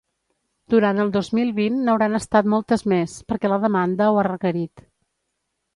Durant el dos mil vint n’hauran estat moltes més, perquè la demanda ho ha requerit.